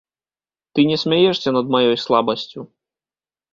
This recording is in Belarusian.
Ты не смяешся над маёй слабасцю.